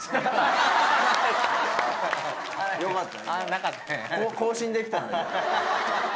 よかった。